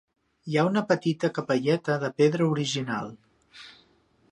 Hi ha una petita capelleta de pedra original.